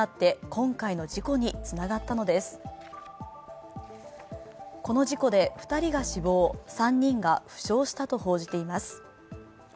この事故で２人が死亡、３人が負傷したと報じています。